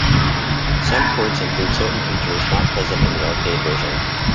Some ports include certain features not present in the arcade version.